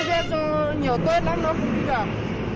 chết chết nhiều tuyết lắm nó cũng chết chẳng